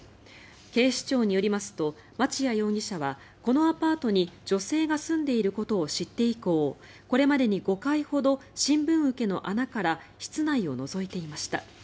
警視庁によりますと町屋容疑者はこのアパートに女性が住んでいることを知って以降これまでに５回ほど新聞受けの穴から室内をのぞいていました。